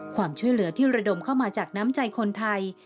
ความช่วยเหลือที่ระดมเข้ามาจากน้ำใจคนไทย